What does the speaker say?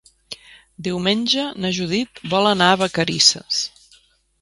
Diumenge na Judit vol anar a Vacarisses.